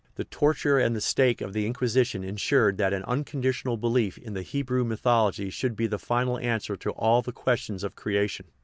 The tort ure and the stake of the Inquisition insured that an unconditional belief in the Hebrew mythology should be the final answer to all the questions of creation.